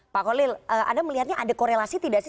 pak kolil anda melihatnya ada korelasi tidak sih